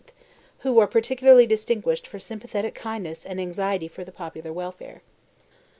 who were particularly distinguished for sympathetic kindness and anxiety for the popular welfare.